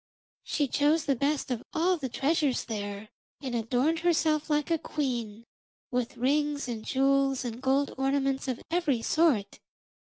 She chose the best of all the treasures there and adorned herself like a queen, with rings and jewels and gold ornaments of every sort.